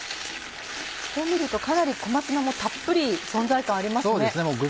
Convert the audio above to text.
こう見るとかなり小松菜もたっぷり存在感ありますね。